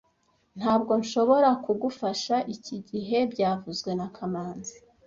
Ntabwo nshobora kugufasha iki gihe byavuzwe na kamanzi